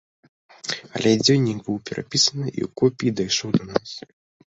Але дзённік быў перапісаны, і ў копіі дайшоў да нас.